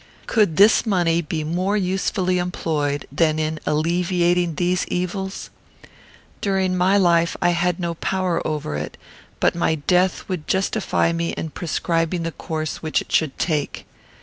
Could this money be more usefully employed than in alleviating these evils? During my life, I had no power over it, but my death would justify me in prescribing the course which it should take.